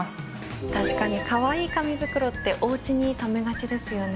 確かにカワイイ紙袋っておうちにためがちですよね。